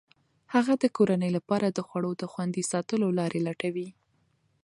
هغه د کورنۍ لپاره د خوړو د خوندي ساتلو لارې لټوي.